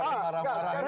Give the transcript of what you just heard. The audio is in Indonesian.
kalau yang marah marah